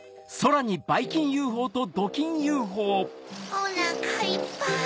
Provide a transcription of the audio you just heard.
おなかいっぱい。